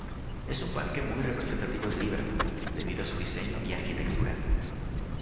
Es un parque muy representativo de Liverpool, debido a su diseño y arquitectura.